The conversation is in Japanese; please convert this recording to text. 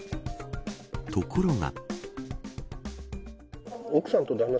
ところが。